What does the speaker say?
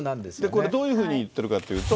これ、どういうふうに言ってるかっていうと。